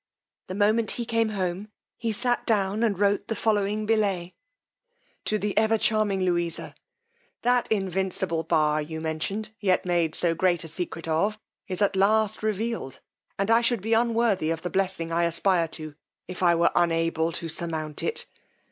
The moment he came home he sat down and wrote the following billet. To the ever charming LOUISA. "That invincible bar you mentioned, yet made so great a secret of, is at last revealed, and I should be unworthy of the blessing I aspire to, if I were unable to surmount it.